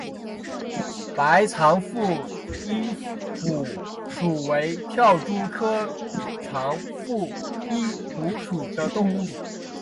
白长腹蝇虎属为跳蛛科长腹蝇虎属的动物。